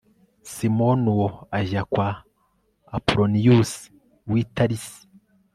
simoni uwo ajya kwa apoloniyusi w'i tarisi